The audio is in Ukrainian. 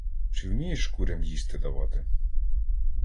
Чи вмієш курям їсти давати?